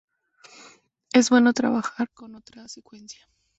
Es bueno trabajar con otra secuencia.